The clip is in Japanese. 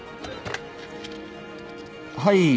☎はい